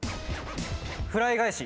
フライ返し。